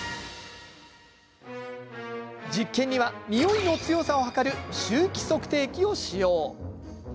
実験には、においの強さを測る臭気測定器を使用。